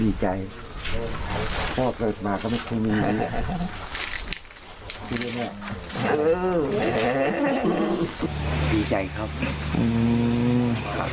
เราจะจัดการใช้จ่ายเงินทุกบาททุกสตางค์อย่างไรบ้าง